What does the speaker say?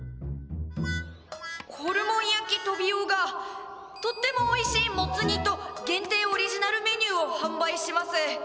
「ホルモン焼トビオがとってもおいしいモツ煮と限定オリジナルメニューを販売します」。